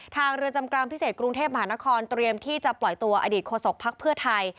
เรือจำกลางพิเศษกรุงเทพมหานครเตรียมที่จะปล่อยตัวอดีตโฆษกภักดิ์เพื่อไทย